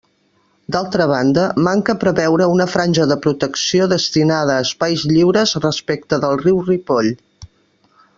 D'altra banda, manca preveure una franja de protecció destinada a espais lliures respecte del riu Ripoll.